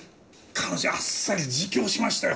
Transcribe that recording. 彼女あっさり自供しましたよ。